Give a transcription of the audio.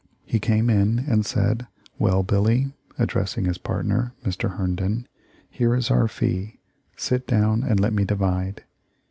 He came in and said ; 'Well, Billy,' addressing his partner, Mr. Herndon, 'here is our fee ; sit down and let me divide.'